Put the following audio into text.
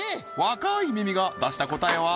若い耳が出した答えは？